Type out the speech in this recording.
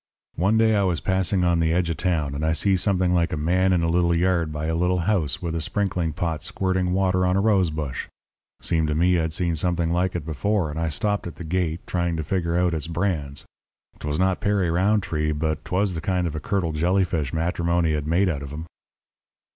"One day I was passing on the edge of town, and I see something like a man in a little yard by a little house with a sprinkling pot squirting water on a rose bush. Seemed to me, I'd seen something like it before, and I stopped at the gate, trying to figure out its brands. 'Twas not Perry Rountree, but 'twas the kind of a curdled jellyfish matrimony had made out of him.